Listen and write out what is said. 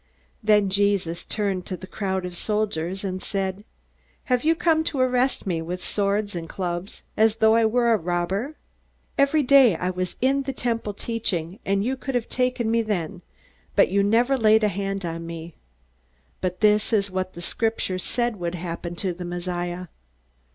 Then Jesus turned to the crowd of soldiers, and said: "Have you come to arrest me with swords and clubs, as though I were a robber? Every day I was in the Temple teaching, and you could have taken me then, but you never laid a hand on me. But this is what the Scriptures said would happen to the Messiah."